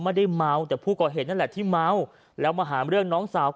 ไม่ได้เมาแต่ผู้ก่อเหตุนั่นแหละที่เมาแล้วมาหาเรื่องน้องสาว